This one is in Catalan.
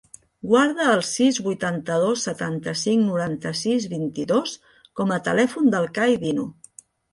Guarda el sis, vuitanta-dos, setanta-cinc, noranta-sis, vint-i-dos com a telèfon del Cai Dinu.